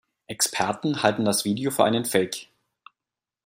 Experten halten das Video für einen Fake.